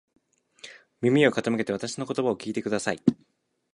耳を傾けてわたしの言葉を聞いてください。